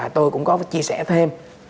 tôi cũng có chia sẻ thêm